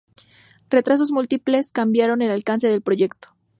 Retrasos múltiples cambiaron el alcance del proyecto.